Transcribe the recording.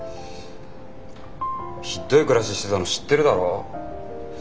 ひっどい暮らししてたの知ってるだろ？